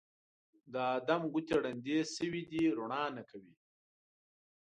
د ادم ګوتې ړندې شوي دي روڼا نه کوي